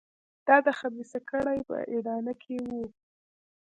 دا د خبیثه کړۍ په اډانه کې وو.